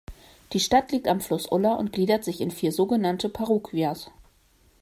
Die Stadt liegt am Fluss Ulla und gliedert sich in vier so genannte Parroquias.